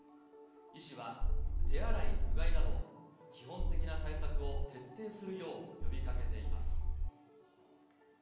医師は、手洗い、うがいなど、基本的な対策を徹底するよう呼びかけています。